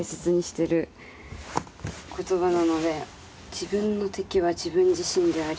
「自分の敵は自分自身であり」